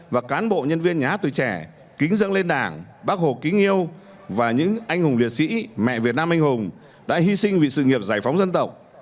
và cán bộ nhân viên nhá tùy trẻ kính dẫn lên đảng bác hồ kính yêu và những anh hùng liệt sĩ mẹ việt nam anh hùng đã hy sinh vì sự nghiệp giải phóng dân tộc